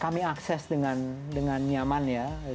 kami akses dengan nyaman ya